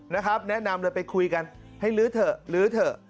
นะครับแนะนำเลยไปคุยกันให้ลื้อเถอะลื้อเถอะ